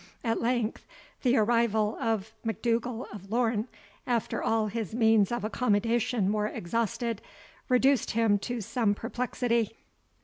At length the arrival of M'Dougal of Lorn, after all his means of accommodation were exhausted, reduced him to some perplexity.